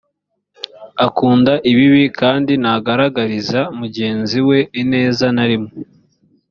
akunda ibibi kandi ntagaragariza mugenzi we ineza na rimwe